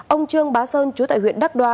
ông trương bá sơn chú tại huyện đắc đoa